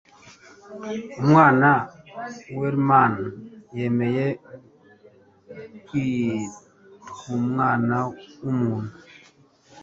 Umwana wlmana yemeye kwitw Umwana wUmuntu